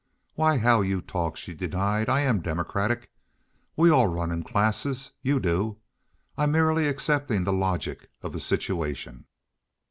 "Why, how you talk!" she denied. "I am democratic. We all run in classes. You do. I'm merely accepting the logic of the situation."